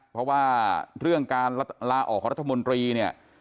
เพราะว่าเรื่องการลาออกของรัฐมนตรีเนี่ย